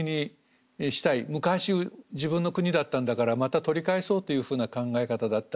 昔自分の国だったんだからまた取り返そうというふうな考え方だったり。